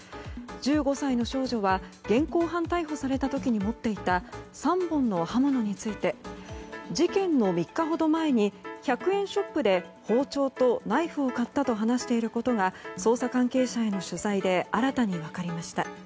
１５歳の少女は現行犯逮捕された時に持っていた３本の刃物について事件の３日ほど前に１００円ショップで包丁とナイフを買ったと話していることが捜査関係者への取材で新たに分かりました。